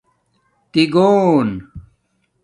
تیگݸن